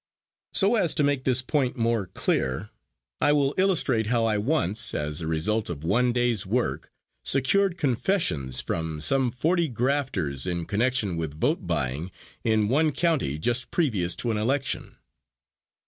So as to make this point more clear, I will illustrate how I once, as a result of one day's work, secured confessions from some forty grafters in connection with vote buying in one county just previous to an election.